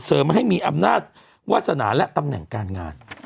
ให้มีอำนาจวาสนาและตำแหน่งการงาน